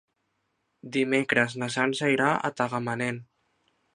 Dimecres na Sança irà a Tagamanent.